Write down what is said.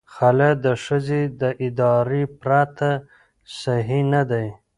خلع د ښځې د ارادې پرته صحیح نه دی.